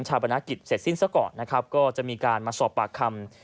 ประนักกิจเสร็จสิ้นซะก่อนนะครับก็จะมีการมาสอบปากคำ